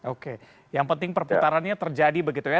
oke yang penting perputarannya terjadi begitu ya